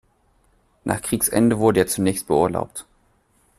Nach Kriegsende wurde er zunächst beurlaubt.